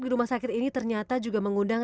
di rumah sakit ini ternyata juga mengundang